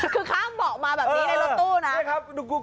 คือข้ามเบาะมาแบบนี้ในรถตู้นะ